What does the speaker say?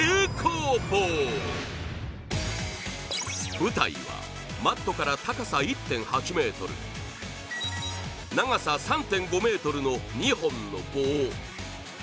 舞台は、マットから高さ１．８ｍ長さ３．５ｍの２本の棒。